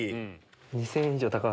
２０００円以上高い。